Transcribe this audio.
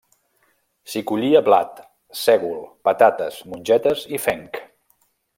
S'hi collia blat, sègol, patates, mongetes i fenc.